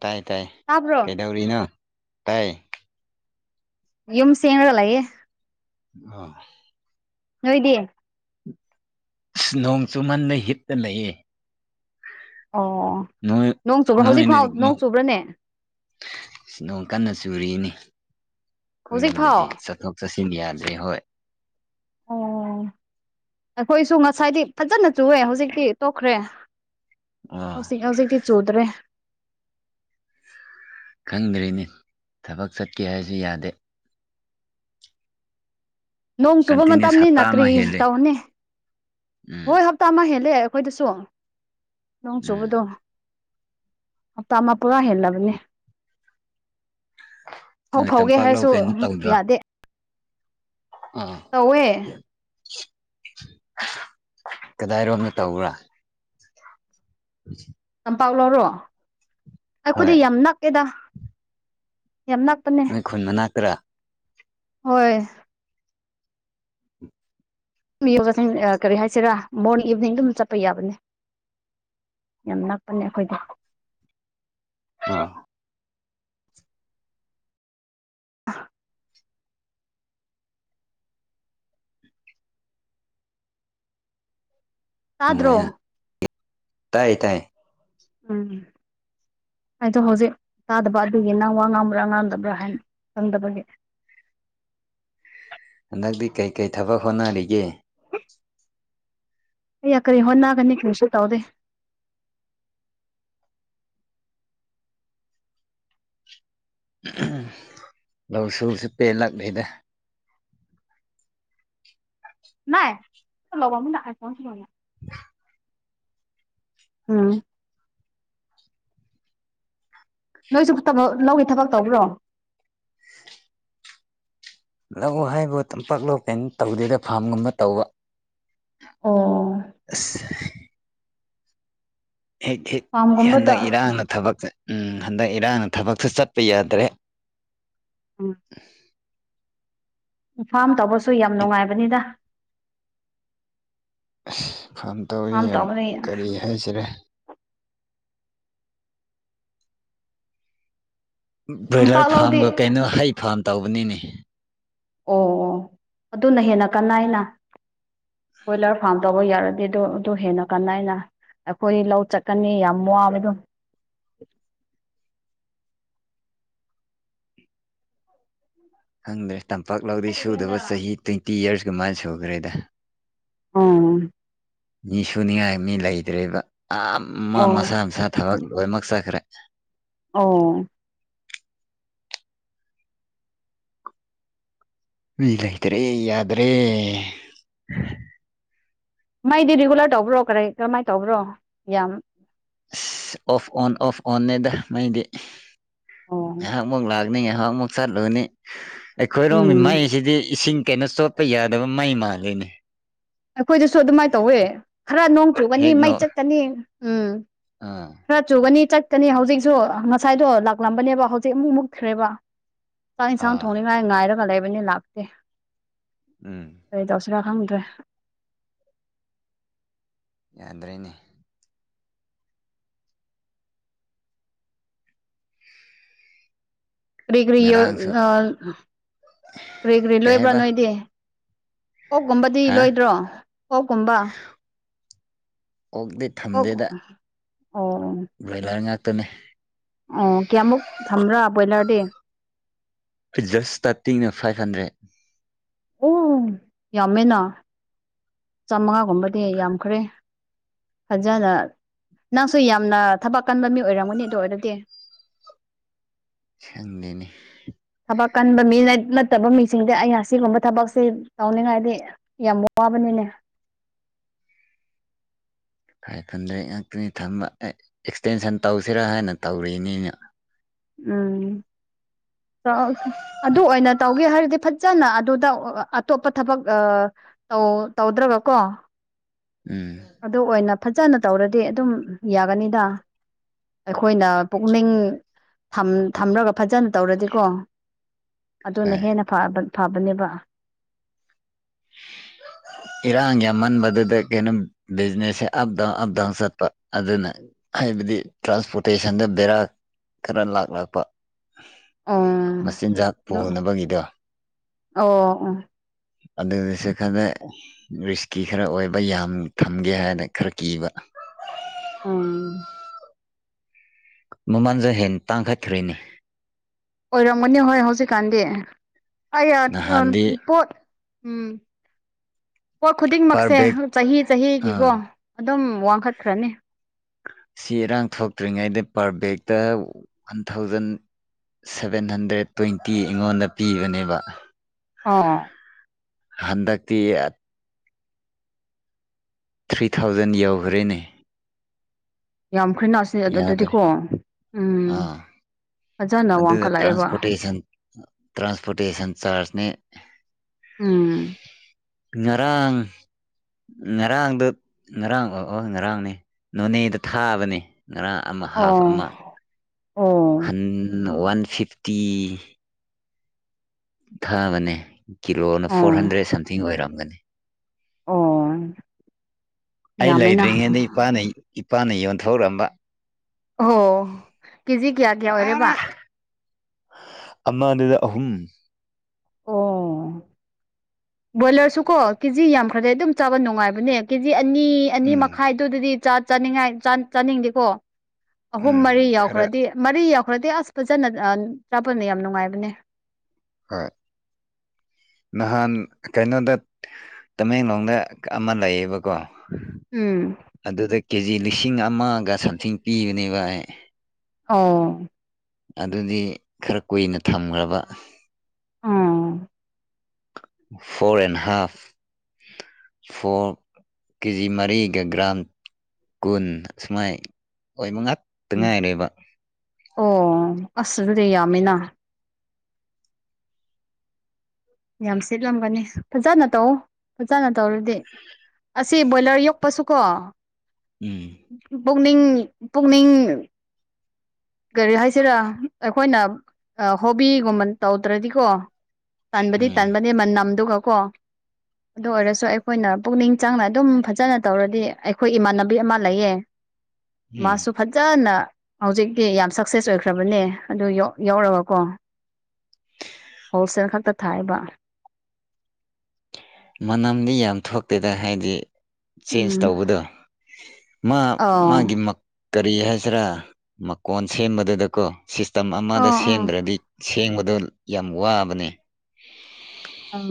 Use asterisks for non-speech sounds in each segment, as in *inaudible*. ꯇꯥꯏ ꯇꯥꯏ ꯇꯥꯕ꯭ꯔꯣ ꯀꯩꯗꯧꯔꯤꯅꯣ ꯇꯥꯏ ꯌꯨꯝ ꯁꯦꯡꯉꯔꯂꯌꯦꯦ ꯑꯥ ꯅꯣꯏꯗꯤ ꯑ ꯅꯣꯡ ꯆꯨꯝꯍꯟꯗ ꯍꯤꯠꯇ ꯂꯩꯑꯦ ꯑꯣ ꯅꯣꯡ ꯆꯨꯕ꯭ꯔꯥ ꯍꯧꯖꯤꯛ ꯐꯥꯎ ꯅꯣꯏꯅꯗꯤ ꯅꯣꯡ ꯆꯨꯕ꯭ꯔꯥꯅꯦ ꯅꯣꯡ ꯀꯟꯅ ꯆꯨꯔꯤꯅꯤ ꯍꯧꯖꯤꯛꯐꯥꯎ ꯑꯩꯈꯣꯏꯔꯣꯝꯗꯗꯤ ꯆꯠꯊꯣꯛ ꯆꯠꯁꯤꯟ ꯌꯥꯗ꯭ꯔꯦ ꯍꯣꯏ ꯑꯩꯈꯣꯏꯁꯨ ꯉꯁꯥꯏꯗꯤ ꯐꯖꯅ ꯆꯨꯑꯦ ꯍꯧꯖꯤꯛꯇꯤ ꯇꯣꯛꯈ꯭ꯔꯦ ꯑꯣ ꯍꯧ ꯍꯧꯖꯤꯛꯗꯤ ꯆꯧꯗꯔꯦ ꯈꯪꯗ꯭ꯔꯤꯅꯤ ꯊꯕꯛ ꯆꯠꯀꯦ ꯍꯥꯏꯁꯨ ꯌꯥꯗꯦ ꯅꯣꯡ ꯆꯨꯕ ꯀꯟꯇꯤꯅ꯭ꯌꯨꯁ ꯃꯇꯝꯅꯤ ꯅꯥ ꯍꯞꯇꯥ ꯑꯃ ꯀꯔꯤ ꯍꯦꯜꯂꯦ ꯇꯧꯅꯤ ꯎꯝ ꯍꯣꯏ ꯍꯞꯇꯥ ꯑꯃ ꯍꯦꯜꯂꯦ ꯑꯩꯈꯣꯏꯗꯁꯨ ꯅꯣꯡ ꯎꯝ ꯆꯨꯕꯗꯣ ꯇꯃ ꯄꯨꯔꯥ ꯍꯦꯜꯂꯕꯅꯦ ꯐꯧ ꯅꯣꯏ ꯐꯥꯎꯒꯦ ꯇꯝꯄꯥꯛꯂꯧ ꯍꯥꯏꯔꯁꯨ ꯀꯩꯅꯣ ꯇꯧꯗ꯭ꯔꯣ ꯌꯥꯗꯦ ꯑꯥ ꯇꯧꯋꯦ ꯀꯗꯥꯏꯔꯣꯝꯅ ꯇꯧꯕ꯭ꯔꯥ ꯎ ꯄꯥꯎ ꯂꯧꯔꯣ ꯍꯣꯏ ꯑꯩꯈꯣꯏꯗꯤ ꯌꯥꯝ ꯅꯛꯀꯦꯗ ꯅꯣꯏ ꯈꯨꯟ ꯃꯅꯥ ꯀꯔꯥ ꯍꯣꯏ ꯃꯤꯣꯖꯁꯤꯡ ꯀꯔꯤ ꯍꯥꯏꯁꯤꯔꯥ ꯃꯣꯔꯅꯤꯡ ꯏꯚꯤꯅꯤꯡ ꯑꯗꯨꯝ ꯆꯠꯄ ꯌꯥꯕꯅꯦ ꯌꯥꯝ ꯅꯞꯄꯅꯦ ꯑꯩꯈꯣꯏꯗ ꯑꯥ ꯑ ꯅꯨꯡꯉꯥꯏꯅ ꯇꯥꯗ꯭ꯔꯣꯝ ꯇꯥꯏ ꯇꯥꯏ ꯎꯝ ꯍꯥꯏꯗꯣ ꯍꯧꯖꯤꯛ ꯆꯥꯗꯕ ꯑꯗꯨꯒꯤ ꯅꯪ ꯋꯥ ꯉꯥꯡꯕ꯭ꯔꯥ ꯉꯥꯡꯝꯗꯕ꯭ꯔꯥ ꯍꯥꯏꯅ ꯈꯪꯗꯕꯒꯤl *unintelligible* ꯍꯟꯗꯛꯇꯤ ꯀꯩꯀꯩ ꯊꯕꯛ ꯍꯣꯠꯅꯔꯤꯒꯦ *unintelligible* ꯑꯩ ꯌꯥ ꯀꯔꯤ ꯍꯣꯠꯅꯒꯅꯤ ꯀꯔꯤꯁꯨ ꯇꯧꯗ ꯂꯧ ꯁꯨꯕꯁꯤ ꯄꯦꯜꯂꯛꯂꯤꯅꯦ ꯅꯥꯏ *unintelligible* *unintelligible* ꯎꯝ ꯅꯣꯏꯁꯨꯕꯛ ꯂꯧꯒꯤ ꯊꯕꯛ ꯇꯧꯕ꯭ꯔꯣ ꯂꯧ ꯍꯥꯏꯕꯨ ꯇꯝꯄꯥꯛ ꯂ ꯀꯩꯅ ꯇꯧꯗꯦꯗ ꯐꯥꯝꯒꯨꯝꯕ ꯇꯧꯕ ꯑꯣ ꯑꯁ ꯍꯦꯛ ꯍꯦꯛ ꯐꯥꯝꯒꯨꯝꯕꯗ ꯍꯟꯗꯛ ꯏꯔꯥꯡꯅ ꯊꯕꯛ ꯆꯠ ꯎꯝ ꯍꯟꯗꯛ ꯏꯔꯥꯡꯅ ꯊꯕꯛꯁꯨ ꯆꯠꯄ ꯌꯥꯗ꯭ꯔꯦ ꯎꯝ ꯐꯥꯝ ꯇꯧꯕꯁꯨ ꯌꯥꯝ ꯅꯨꯡꯉꯥꯏꯕꯅꯤꯗ ꯐꯥꯝ ꯇꯧꯁ ꯐꯥꯝ ꯌꯥꯝ ꯇꯧꯕꯅꯤ ꯀꯔꯤ ꯍꯥꯏꯁꯤꯔꯦ ꯕ꯭ꯔꯣꯏꯂꯔ ꯇꯝꯄꯥꯛ ꯂꯧꯗꯤ ꯐꯥꯔꯝꯒ ꯀꯩꯅꯣ ꯍꯩ ꯐꯥꯝ ꯇꯧꯕꯅꯤꯅꯦ ꯑꯣ ꯑꯣ ꯑꯗꯨꯅ ꯍꯦꯟꯅ ꯀꯅꯥ ꯍꯥꯏꯅ ꯕꯣꯏꯂꯔ ꯐꯥꯔꯝ ꯇꯧꯕ ꯌꯥꯔꯗꯤ ꯑꯗꯨ ꯑꯗꯨ ꯍꯦꯟꯅ ꯀꯥꯟꯩꯅ ꯑꯩꯈꯣꯏ ꯂꯧ ꯆꯠꯀꯅꯤ ꯌꯥꯝ ꯋꯥꯕꯗꯣ ꯈꯪꯗ꯭ꯔꯦ ꯇꯝꯄꯥꯛꯂꯥꯎꯗꯤ ꯁꯨꯗꯕ ꯆꯍꯤ ꯇ꯭ꯋꯦꯟꯇꯤ ꯌꯔꯁ ꯀꯃꯥꯏꯅ ꯁꯨꯈ꯭ꯔꯦꯗ ꯑ ꯃꯤ ꯁꯨꯅꯤꯡꯉꯥꯏ ꯃꯤ ꯂꯩꯇ꯭ꯔꯦꯔꯤꯕ ꯑꯃ ꯑꯣ ꯃꯁꯥ ꯃꯁꯥ ꯊꯕꯛ ꯔꯋꯃꯒ ꯁꯥꯈ꯭ꯔꯦ ꯑꯣ ꯎ ꯂꯩꯇ꯭ꯔꯦ ꯌꯥꯗ꯭ꯔꯦ ꯃꯥꯏꯗꯤ ꯔꯤꯒꯨꯂꯔ ꯇꯧꯕ꯭ꯔꯣ ꯀꯔꯤ ꯀꯔꯝꯍꯥꯏꯅ ꯇꯧꯕ꯭ꯔꯣ ꯌꯥꯝ ꯑꯣꯐ ꯑꯣꯟ ꯑꯣꯐ ꯑꯣꯟꯅꯦꯗ ꯃꯩꯗꯤ ꯑꯣ ꯉꯥꯏꯍꯥꯛ ꯃꯨꯛ ꯂꯥꯛ ꯍ *unintelligible* ꯃꯨꯛ ꯆꯠ ꯂꯨꯅꯤ ꯑꯩꯈꯣꯏꯔꯣꯝꯒꯤ ꯎꯝ ꯃꯩꯁꯤꯗꯤ ꯏꯁꯤꯡ ꯀꯩꯅ ꯆꯣꯠꯄ ꯌꯥꯗꯕ ꯃꯩ ꯃꯥꯜꯂꯤꯅꯦ ꯑꯩꯈꯣꯏꯗꯁꯨ ꯑꯗꯨꯃꯥꯏꯅ ꯇꯧꯋꯦ ꯈꯔ ꯅꯣꯡ ꯆꯨꯒꯅꯤ ꯍꯦꯛ ꯅꯣ ꯃꯩ ꯆꯠꯀꯅꯤ ꯎꯝ ꯑꯥ ꯈꯔ ꯆꯨꯒꯅꯤ ꯆꯠꯀꯅꯤ ꯍꯧꯖꯤꯛꯁꯨ ꯉꯁꯥꯏꯗꯣ ꯂꯥꯛꯂꯝꯕꯅꯦꯕ ꯍꯧꯖꯤꯛ ꯑꯃꯨꯛ ꯃꯨꯛꯈ꯭ꯔꯦꯕ ꯆꯥꯛ ꯏꯟꯁꯥꯡ ꯑꯥ ꯊꯣꯡꯅꯤꯡꯉꯥꯏ ꯉꯥꯏꯔꯒ ꯂꯩꯕꯅꯤ ꯂꯥꯛꯇꯦ ꯎꯝ ꯈꯔꯥꯛ ꯈꯪꯗ꯭ꯔꯦ ꯌꯥꯗ꯭ꯔꯦꯅꯦ ꯀꯔꯤ ꯀ꯭ꯔꯤ ꯉꯔꯥꯡꯁꯨ ꯀꯔꯤ ꯀ꯭ꯔꯤ ꯀꯩ ꯂꯣꯏꯕ꯭ꯔꯥ ꯍꯥꯏꯕ ꯅꯣꯏꯗꯤ ꯑꯣꯛꯀꯨꯝꯕꯗꯤ ꯍꯥ ꯂꯣꯏꯗ꯭ꯔꯣ ꯑꯣꯛꯀꯨꯝꯕ ꯑꯣꯛꯗꯤ ꯑꯣꯛ ꯊꯝꯗꯦꯗ ꯑꯣ ꯂꯣꯏ ꯂꯥꯏꯔ ꯉꯥꯛꯇꯅꯤ ꯑꯣ ꯀꯌꯥꯃꯨꯛ ꯊꯝꯕ꯭ꯔꯥ ꯕ꯭ꯔꯣꯏꯂꯔ ꯗꯤ ꯑꯩ ꯖꯁ ꯏꯁꯇꯥꯔꯇꯤꯡꯅ ꯐꯥꯏꯚ ꯍꯟꯗ꯭ꯔꯦꯠ ꯑꯣ ꯌꯥꯝꯃꯦꯅ ꯆꯥꯃꯉꯥꯒꯨꯝꯕꯗꯤ ꯌꯥꯝꯈ꯭ꯔꯦ ꯐꯖꯅ ꯅꯪꯁꯨ ꯌꯥꯝꯅ ꯊꯕꯛ ꯀꯟꯕ ꯃꯤ ꯑꯣꯏꯔꯝꯒꯅꯤ ꯑꯗꯨ ꯑꯣꯏꯔꯗꯤ *unintelligible* ꯁꯪꯗꯅꯦ ꯊꯕꯛ ꯀꯟꯕ ꯃꯤ ꯅꯠꯇꯕ ꯃꯤꯁꯤꯡꯗꯤ ꯑꯩꯅ ꯑꯁꯤꯒꯨꯝꯕ ꯊꯕꯛꯁꯦ ꯇꯧꯅꯤꯡꯉꯥꯏꯗꯤ ꯌꯥꯝ ꯋꯥꯕꯅꯤꯅꯦ *unintelligible* ꯐꯔ ꯐꯟꯗ꯭ꯔꯦ ꯉꯥꯛꯇꯅꯤ ꯊꯃ ꯑꯦꯛꯁꯇꯦꯟꯁꯟ ꯇꯧꯁꯤꯔꯥ ꯍꯥꯏꯅ ꯇꯧꯔꯤꯅꯤꯅ ꯎꯝ ꯑꯗꯨ ꯑꯣꯏꯅ ꯇꯧꯒꯦ ꯍꯥꯏꯔꯗꯤ ꯐꯖꯅ ꯑꯗꯨꯗ ꯑꯇꯣꯞꯄ ꯊꯕꯛꯧ ꯇꯧꯗ꯭ꯔꯒꯀꯣ ꯎꯝ ꯑꯗꯨ ꯑꯣꯏꯅ ꯐꯖꯅ ꯇꯧꯔꯗꯤ ꯑꯗꯨꯝ ꯌꯥꯒꯅꯤꯗ ꯑꯩꯈꯣꯏꯅ ꯄꯨꯛꯅꯤꯡ ꯊꯝꯂꯒ ꯐꯖꯅ ꯇꯧꯔꯗꯤꯀꯣ ꯑꯗꯨꯅ ꯍꯣꯏ ꯍꯦꯟꯅ ꯐꯕ ꯐꯕꯅꯦꯕ ꯏꯔꯥꯡ ꯌꯥꯝꯃꯟꯕꯗꯨꯗ ꯀꯩꯅꯣ ꯕꯤꯖꯤꯅꯦꯁꯁꯦ ꯑꯞ ꯗꯥꯎꯟ ꯑꯞ ꯗꯥꯎꯟ ꯆꯠꯄ ꯑꯗꯨꯅ ꯍꯥꯏꯕꯗꯤ ꯇ꯭ꯔꯥꯟꯁꯄꯣꯔꯇꯦꯁꯟꯗ ꯕꯦꯔꯥ ꯈꯔ ꯂꯥꯛꯂꯛꯄ ꯑꯣ ꯃꯆꯤꯟꯖꯥꯛ ꯄꯨꯅꯕꯒꯤꯗꯣ ꯑꯣ ꯑꯣ ꯑꯗꯨꯗꯨꯁꯨ ꯈꯔꯅ ꯔꯤꯁꯀꯤ ꯈꯔ ꯑꯣꯏꯕ ꯌꯥꯝ ꯊꯝꯒꯦ ꯍꯥꯏꯅ ꯈꯔ ꯀꯤꯕ ꯑꯝ ꯃꯃꯥꯡꯖ ꯍꯦꯟ ꯇꯥꯡꯈꯥꯏ ꯊ꯭ꯔꯣꯏꯅꯤ ꯑꯣꯏꯔꯝꯒꯅꯤ ꯍꯣꯏ ꯍꯧꯖꯤꯛꯀꯥꯟꯗꯤ ꯑꯩ ꯅꯍꯥꯟꯗꯤ ꯄꯣꯠ ꯎꯝ ꯄꯣꯠ ꯄꯔ ꯈꯨꯗꯤꯡꯃꯛꯁꯦ ꯕꯦꯛ ꯆꯍꯤ ꯆꯍꯤꯒꯤꯀꯣ ꯑꯥ ꯑꯗꯨꯝ ꯋꯥꯡꯈꯠꯈ꯭ꯔꯅꯤ ꯁꯤ ꯏꯔꯥꯡ ꯊꯣꯛꯇ꯭ꯔꯤꯉꯩꯗ ꯄꯔ ꯕꯦꯛꯇ one thousand seven hundred twenty ꯑꯩꯉꯣꯟꯗ ꯄꯤꯕꯅꯦꯕ ꯑꯥ ꯍꯟꯗꯛꯛꯇꯤ ꯊ꯭ꯔꯤ ꯊꯥꯎꯖꯟ ꯌꯎꯈ꯭ꯔꯦꯅꯦ ꯌꯥꯝꯈ꯭ꯔꯦ ꯅꯥꯁꯤ ꯌꯥꯗ꯭ꯔꯦ ꯑꯗꯨꯗꯤꯀꯣ ꯎꯝ ꯐꯖꯅ ꯑꯗꯨꯗ ꯋꯥꯡꯈꯠꯂꯛꯑꯦꯕ ꯇ꯭ꯔꯥꯟꯁꯄꯣꯔꯇꯦꯁꯟ ꯇ꯭ꯔꯥꯟꯁꯄꯣꯔꯇꯦꯁꯟ ꯆꯥꯔꯖꯅꯦ ꯎꯝ ꯉꯔꯥꯡ ꯉꯔꯥꯡꯗꯨ ꯉꯔꯥꯡ ꯑꯣ ꯉꯔꯥꯡꯅꯦ ꯅꯣꯅꯦꯗ ꯊꯥꯕꯅꯦ ꯉꯔꯥꯡ ꯑꯃ ꯍꯥꯐ ꯑꯣ ꯑꯃ ꯑꯣ ꯋꯥꯟ ꯐꯤꯞꯇꯤ ꯊꯥꯕꯅꯦ ꯀꯤꯂꯣꯅ ꯑꯣ ꯐꯣꯔ ꯍꯟꯗ꯭ꯔꯦꯗ ꯁꯝꯊꯤꯡ ꯑꯣꯏꯔꯝꯒꯅꯤ ꯑꯣ ꯑꯩ ꯌꯥꯝꯃꯦꯅ ꯂꯩꯗ꯭ꯔꯤꯉꯩꯗ ꯏꯄꯥꯅ ꯏꯄꯥꯅ ꯌꯣꯟꯊꯔꯛꯑꯝꯕ ꯑꯣꯣ ꯀꯦꯖꯤ ꯀ꯭ꯌꯥ ꯀ꯭ꯌꯥ ꯑꯣꯏꯔꯦꯕ ꯑꯃꯅꯦꯗ ꯑꯍꯨꯝ ꯑꯣ ꯕꯣꯏꯂꯔꯁꯨ ꯀꯣ ꯀꯦꯖꯤ ꯌꯥꯝꯈ꯭ꯔꯗꯤꯩ ꯑꯗꯨꯝ ꯆꯥꯕ ꯅꯨꯡꯉꯥꯏꯕꯅꯦ ꯀꯦꯖꯤ ꯑꯅꯤ ꯑꯅꯤ ꯎꯝ ꯃꯈꯥꯏꯗꯨꯗꯗꯤ ꯆꯥꯅꯤꯡꯉꯥꯏ ꯆꯥꯅꯤꯡꯗꯦꯀꯣ ꯑꯍꯨꯝ ꯃꯔꯤ ꯎꯝ ꯈꯔ ꯌꯥꯎꯈ꯭ꯔꯗꯤ ꯃꯔꯤ ꯌꯥꯎ ꯈꯔꯗꯤ ꯑꯁ ꯐꯖꯅ ꯇ꯭ꯔꯥꯄꯅ ꯌꯥꯝ ꯅꯨꯡꯉꯥꯏꯕꯅꯦ ꯍꯥꯣꯏ ꯅꯍꯥꯟ ꯀꯩꯅꯣꯗ ꯇꯃꯦꯡꯂꯣꯡꯗ ꯑꯃ ꯂꯩꯌꯦꯕꯀꯣ ꯎꯝ ꯑꯗꯨꯗ ꯀꯦꯖꯤ ꯂꯤꯁꯤꯡ ꯑꯃꯒ ꯁꯝꯊꯤꯡ ꯄꯤꯕꯅꯦ ꯚ ꯑꯩ ꯑꯥ ꯑꯗꯨꯗꯤ ꯈꯔ ꯀꯨꯏꯅ ꯊꯝꯈ꯭ꯔꯕ ꯑꯥ ꯐꯣꯔ ꯑꯦꯟ ꯍꯥꯐ ꯐꯣꯔ ꯀꯦꯖꯤ ꯃꯔꯤꯒ ꯒ꯭ꯔꯝ ꯀꯨꯟ ꯑ ꯁꯃꯥꯏ ꯑꯣꯏ ꯃꯉꯥ ꯎꯝ ꯑꯣ ꯑꯁꯁꯨꯗꯤ ꯌꯥꯝꯃꯤꯅ ꯌꯥꯝ ꯁꯤꯦꯠꯂꯝꯒꯅꯤ ꯐꯖꯅ ꯇꯧ ꯐꯖꯅ ꯇꯧꯔꯗꯤ ꯑꯁꯤ ꯕꯣꯏꯂꯔ ꯌꯣꯛꯄꯁꯨ ꯀꯣ ꯎꯝ ꯄꯨꯛꯅꯤꯡ ꯄꯨꯛꯅꯤꯡ ꯀꯔꯤ ꯍꯥꯏꯁꯤꯔꯥ ꯑꯩꯈꯣꯏꯅ ꯑ ꯍꯣꯕꯤꯒꯨꯝꯕ ꯇꯧꯗ꯭ꯔꯗꯤꯀꯣ ꯇꯟꯕꯗꯤ ꯎꯝ ꯇꯟꯕꯅꯦ ꯃꯅꯝꯗꯨꯒ ꯀꯥ ꯑꯗꯨ ꯑꯣꯏꯔꯁꯨ ꯑꯩꯈꯣꯏꯅ ꯄꯨꯛꯅꯤꯡ ꯆꯪꯅ ꯑꯗꯨꯝ ꯐꯖꯅ ꯇꯧꯔꯗꯤ ꯑꯩꯈꯣꯏ ꯏꯃꯥꯟꯅꯕꯤ ꯑꯃ ꯂꯩꯌꯦ ꯎꯝ ꯃꯥꯁꯨ ꯐꯖꯅ ꯍꯧꯖꯤꯛꯇꯤ ꯌꯥꯝ ꯁꯛꯁꯦꯁ ꯑꯣꯏꯈ꯭ꯔꯕꯅꯦ ꯑꯗꯨ ꯌꯥꯎꯔꯒꯀꯣ ꯍꯣꯜꯁꯦꯜ ꯈꯛꯇ ꯊꯥꯏꯕ ꯃꯅꯝꯗꯤ ꯌꯥꯝ ꯊꯣꯛꯇꯦꯗ ꯍꯥꯏꯗꯤ ꯆꯦꯟꯖ ꯎꯝ ꯇꯧꯕꯗꯣ ꯃꯥ ꯑ ꯃꯥꯒꯤ ꯀꯔꯤ ꯍꯥꯏꯁꯤꯔꯥ ꯃꯀꯣꯟ ꯁꯦꯝꯕꯗꯨꯗꯀꯣ ꯁꯤꯁꯇꯝ ꯑꯃꯗ ꯑꯥ ꯁꯦꯝꯗ꯭ꯔꯗꯤ ꯁꯦꯡꯕꯗꯣ ꯌꯥꯝ ꯋꯥꯕꯅꯤ ꯑꯥ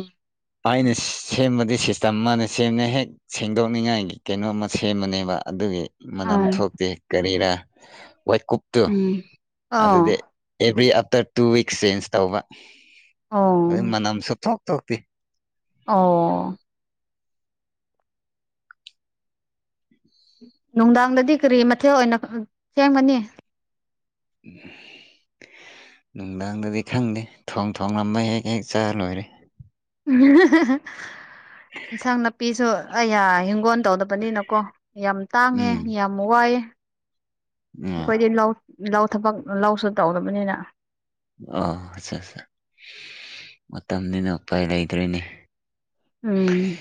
ꯑꯩꯅ ꯁꯦꯝꯕꯗꯤ ꯁꯤꯁꯇꯝ ꯃꯥꯅ ꯁꯦꯝꯃꯦ ꯍꯦꯛ ꯁꯦꯡꯗꯣꯛꯅꯤꯡꯉꯥꯏꯒꯤ ꯀꯩꯅꯣ ꯑꯃ ꯁꯦꯝꯕꯅꯦꯕ ꯑꯗꯨꯒꯤ ꯑꯥ ꯑ ꯃꯅꯝ ꯊꯣꯛꯇꯦ ꯀꯔꯤꯔ ꯋꯥꯋꯦꯀꯨꯞꯨꯞꯇꯨ ꯎꯝ ꯑ ꯑꯗꯨꯗꯤ every after two weeks change ꯇꯧꯕ ꯑꯣ ꯑꯗꯨ ꯃꯅꯥꯝ ꯁꯊ ꯍꯇꯇ ꯑꯣ ꯅꯨꯡꯗꯥꯡꯗꯗꯤ ꯀꯔꯤ ꯃꯊꯦꯜ ꯑꯣꯏꯅ ꯁꯦꯝꯒꯅꯤ ꯎꯝ ꯅꯨꯡꯗꯥꯡꯗꯗꯤ ꯈꯪꯗꯦ ꯊꯣꯡ ꯊꯣꯡ ꯂꯝꯕ ꯍꯦꯛ ꯍꯦꯛ ꯆꯥ ꯂꯣꯏꯔꯦ ꯏꯟꯁꯥꯡ ꯅꯥꯄꯤꯁꯨ ꯑꯌꯥ ꯍꯤꯡꯒꯣꯜ ꯇꯧꯗꯕꯅꯤꯅꯀꯣ ꯌꯥꯝ ꯇꯥꯡꯉꯦ ꯎꯝ ꯌꯥꯝ ꯋꯥꯏꯑꯦ ꯑ ꯑꯩꯈꯣꯏꯗꯤ ꯂꯧ ꯂꯧ ꯊꯕꯛ ꯂꯧꯁꯨ ꯇꯧꯗꯕꯅꯤꯅ ꯑꯣ ꯑꯠ ꯑꯠꯆꯥ ꯃꯇꯝꯅꯤꯗꯨꯅ ꯎꯄꯥꯏ ꯂꯩꯗꯣꯏꯅꯦ ꯎꯝ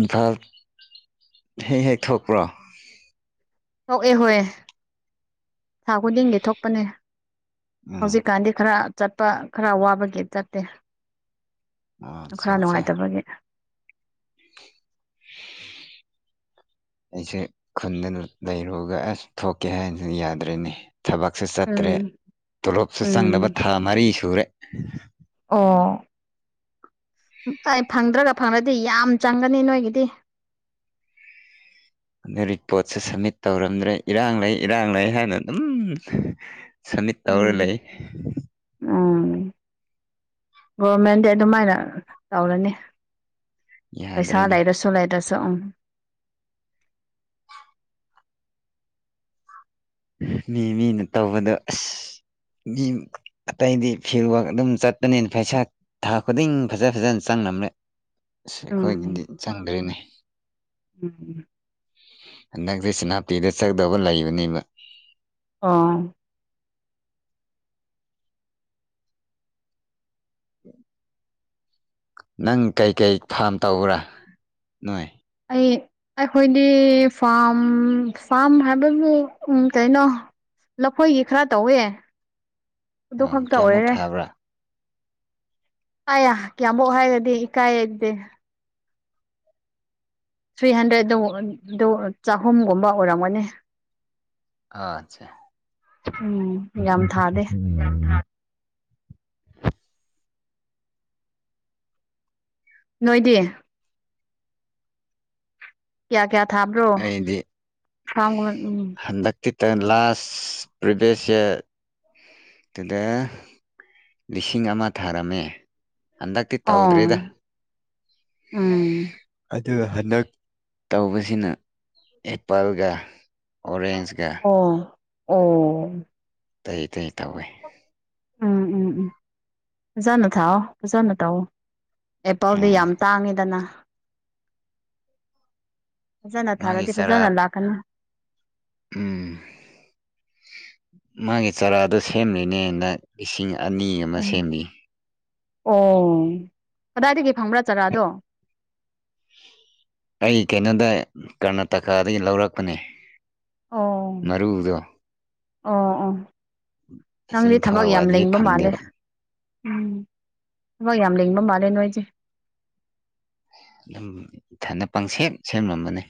ꯏꯝꯐꯥ ꯍꯦꯛ ꯍꯦꯛ ꯊꯣꯛꯄ꯭ꯔꯣ ꯊꯣꯛꯑꯦ ꯍꯣꯏ ꯊꯥ ꯈꯨꯗꯤꯡꯒꯤ ꯊꯣꯛꯄꯅꯦ ꯎꯝ ꯍꯧꯖꯤꯛꯀꯥꯟꯗꯤ ꯈꯔ ꯆꯠꯄ ꯈꯔ ꯋꯥꯕꯒꯤ ꯆꯠꯇꯦ ꯑꯣ ꯑꯠꯆꯥ ꯈꯔ ꯑꯠꯆꯥ ꯅꯨꯡꯉꯥꯏꯇꯕꯒꯤ *inaudible* ꯑꯩꯁꯦ ꯈꯨꯟꯗꯅ ꯂꯩꯔꯨꯔꯒ ꯑꯁ ꯊꯣꯛꯀꯦ ꯍꯥꯏꯅꯁꯨ ꯌꯥꯗ꯭ꯔꯦꯅꯤ ꯊꯕꯛꯁꯨ ꯆꯠꯇ꯭ꯔꯦ ꯎꯝ ꯇꯣꯂꯣꯞꯁꯨ ꯎꯝ ꯆꯪꯅꯕ ꯊꯥ ꯃꯔꯤ ꯁꯨꯔꯦ ꯑ ꯑꯩ ꯐꯪꯗ꯭ꯔꯒ ꯐꯪꯂꯗꯤ ꯌꯥꯝ ꯆꯪꯒꯅꯤ ꯅꯣꯏꯒꯤꯗꯤ ꯑꯗꯨ ꯔꯤꯄꯣꯔꯠꯁꯦ ꯁꯝꯃꯤꯠ ꯇꯧꯔꯝꯗ꯭ꯔꯦ ꯏꯔꯥꯡ ꯂꯩ ꯏꯔꯥꯡ ꯂꯩ ꯍꯥꯏꯅ ꯑꯗꯨꯝ ꯁꯃꯤꯠ ꯇꯧꯔ ꯎꯝ ꯂꯩ ꯎꯝ ꯒꯣꯔꯃꯦꯟꯗꯤ ꯑꯗꯨꯃꯥꯏꯅ ꯇꯧꯔꯅꯤ ꯄꯩꯁꯥ ꯌꯥꯗ꯭ꯔꯦꯅꯦ ꯂꯩꯥꯏꯔꯁꯨ ꯂꯩꯥꯏꯔꯁ ꯆꯪ ꯃꯤ ꯃꯤꯅ ꯇꯧꯕꯗꯣ ꯑꯁ ꯃꯤ ꯑꯇꯩꯗꯤ ꯐꯤꯜ ꯋꯥꯔꯛ ꯑꯗꯨꯝ ꯆꯠꯄꯅꯤꯅ ꯄꯩꯁꯥ ꯊꯥ ꯈꯨꯗꯤꯡ ꯐꯖ ꯐꯖꯅ ꯆꯪ ꯪ ꯑꯁ ꯎꯝ ꯑꯩꯈꯣꯏꯒꯤꯗꯤ ꯆꯪꯗ꯭ꯔꯤꯅꯦ ꯎꯝ ꯍꯟꯗꯛꯁꯦ ꯁꯦꯅꯥꯄꯤꯤꯗ ꯆꯪꯗꯕ ꯂꯩꯕꯅꯦꯕ ꯑꯥ ꯅꯪ ꯀꯩꯀꯩ ꯐꯥꯔꯝ ꯇꯧꯕ꯭ꯔꯥ ꯅꯣꯏ ꯑꯩ ꯑꯩꯈꯣꯏꯗꯤ ꯐꯥꯝ ꯐꯥꯝ ꯍꯥꯏꯕꯕꯨ ꯎ ꯀꯩꯅꯣ ꯂꯈꯣꯏꯒꯤ ꯈꯔ ꯇꯧꯋꯦ ꯑꯗꯨ ꯑ ꯈꯛꯇ ꯀꯃꯣꯛ ꯑꯣꯏꯔꯦ ꯈꯕ꯭ꯔꯥ ꯑꯌꯥ ꯀꯌꯥꯃꯛ ꯍꯥꯏꯔꯗꯤ ꯏꯀꯥꯏ ꯂꯩꯗꯦ ꯊ꯭ꯔꯤ ꯍꯟꯗ꯭ꯔꯦꯗ ꯑꯗꯨ ꯆꯍꯨꯝꯒꯨꯝꯕ ꯑꯣꯏꯔꯝꯒꯅꯤ ꯑꯆꯥꯦ ꯎꯝ ꯌꯥꯝ ꯊꯥꯗꯦ ꯅꯣꯏꯗꯤ ꯀꯌꯥ ꯀꯌꯥ ꯊꯥ ꯑ꯭ꯔꯣ ꯑꯩꯗꯤ ꯐ ꯎꯝ ꯇꯂꯥꯁ ꯄ꯭ꯔꯤꯚꯁꯦ ꯌꯔ ꯑꯗꯨꯗ ꯂꯤꯁꯤꯡ ꯑꯃ ꯊꯥꯔꯝꯃꯦ ꯍꯟꯗꯛꯇꯤ ꯑꯣ ꯇꯧꯗ꯭ꯔꯦꯗ ꯎꯝ ꯑꯗꯨꯒ ꯍꯟꯗꯛ ꯇꯧꯕꯁꯤꯅ ꯑꯦꯄꯜꯒ ꯑꯣꯔꯦꯟꯖꯀ ꯑꯣ ꯑꯣ ꯇꯏ ꯇꯏ ꯇꯧꯋꯦ ꯎꯝ ꯎꯝ ꯎꯝꯖꯥꯅ ꯊꯥꯎꯑꯣꯖꯥꯅ ꯇꯥꯎꯑꯣ ꯑꯦꯄꯜꯗꯤ ꯎꯝ ꯌꯥꯝ ꯇꯥꯡꯉꯤꯗꯅ ꯐꯖꯅ ꯃꯥꯒꯤ ꯊꯥꯔꯗꯤ ꯐꯖꯅ ꯆꯔꯥ ꯂꯥꯛꯀꯅꯤ ꯎꯝ ꯃꯥꯒꯤ ꯆꯥꯔꯥꯗꯣ ꯁꯦꯝꯂꯤꯅꯦꯅ ꯏꯁꯤꯡ ꯑꯅꯤ ꯑꯃ ꯎꯝ ꯁꯦꯝꯃꯤ ꯑꯣ ꯀꯗꯥꯏꯗꯒꯤ ꯐꯪꯕ꯭ꯔꯥ ꯆꯥꯔꯥꯗꯣ ꯑꯩ ꯀꯩꯅꯣꯗ ꯀꯔꯅꯥꯇꯀꯥꯗꯒꯤ ꯂꯧꯔꯛꯄꯅꯤ ꯑꯣ ꯃꯔꯨꯗꯣ ꯑꯣ ꯑꯣ ꯑꯁꯤ ꯅꯪꯗꯤ ꯊꯕꯛ ꯏꯝꯐꯥꯜ ꯌꯥꯝ ꯋꯥꯏꯗꯗꯤ ꯂꯦꯡꯕ ꯃꯥꯜꯂꯦ ꯐꯪꯗꯦꯕ ꯎꯝ ꯊꯃꯣꯏ ꯌꯥꯝ ꯂꯦꯡꯕ ꯃꯥꯜꯂꯦ ꯅꯣꯏꯁꯦ ꯑꯗꯨꯝ ꯏꯟꯊꯅ ꯄꯪꯁꯦ ꯁꯦꯝꯂꯝꯝꯕꯅꯤ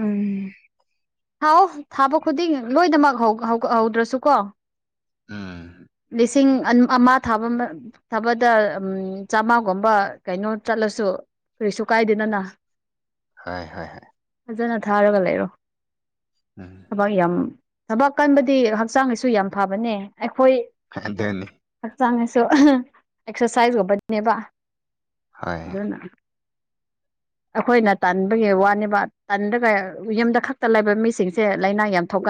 ꯎꯝ ꯊꯥꯎ ꯊꯥꯕ ꯈꯨꯗꯤꯡ ꯂꯣꯏꯅꯃꯛ ꯍꯧ ꯍꯧꯗ꯭ꯔꯁꯨꯀꯣ ꯎꯝ ꯂꯤꯁ ꯁꯤꯡ ꯑꯃ ꯊꯥꯕ ꯊꯥꯕꯗ ꯆꯥꯝꯃꯥꯒꯨꯝꯕ ꯀꯩꯅꯣ ꯆꯠꯂꯁꯨ ꯀꯔꯤꯁꯨ ꯀꯥꯏꯗꯦꯗꯅ ꯍꯥꯢ ꯍꯥꯢ ꯍꯥꯏ ꯐꯖꯅ ꯊꯥꯔꯒ ꯂꯩꯔꯣ ꯎꯝ ꯊꯕꯛ ꯌꯥꯝ ꯊꯕꯛ ꯀꯟꯕꯗꯤ ꯍꯛꯆꯥꯡꯒꯤꯁꯨ ꯌꯥꯝ ꯐꯕꯅꯦ ꯑꯩꯈꯣꯏ ꯑꯗꯨꯅꯤ ꯍꯛꯆꯥꯡꯉꯁꯨ ꯑꯦꯛꯁꯔꯁꯥꯏꯖꯒꯨꯝꯕꯅꯦꯕ ꯍꯣꯏ ꯑꯗꯨꯅ ꯑꯩꯈꯣꯏꯅ ꯇꯥꯟꯕꯒꯤ ꯋꯥꯅꯦꯕ ꯇꯟꯒ ꯌꯨꯝꯗ ꯈꯛꯇ ꯂꯩꯕ ꯃꯤꯁꯤꯡꯁꯦ ꯂꯥꯏꯅꯥ ꯌꯥꯝ ꯊꯣꯛꯀ